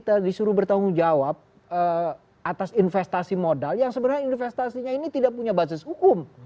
karena disuruh bertanggung jawab atas investasi modal yang sebenarnya investasinya ini tidak punya basis hukum